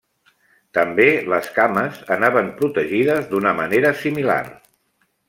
També les cames anaven protegides d'una manera similar.